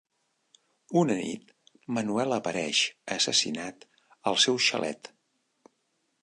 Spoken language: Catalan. Una nit, Manuel apareix assassinat al seu xalet.